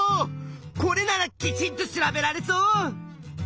これならきちんと調べられそう！